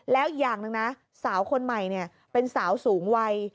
แล้วอย่างหนึ่งนะสาวคนใหม่เป็นสาวสูงวัย